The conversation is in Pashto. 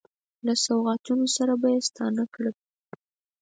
له سوغاتونو سره به یې ستانه کړل.